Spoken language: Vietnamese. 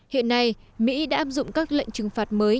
hiện nay mỹ đã áp dụng các lệnh trừng phạt mới